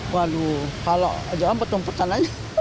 waduh kalau ada apa tuh pertanyaannya